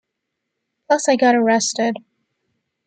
Plus I got arrested.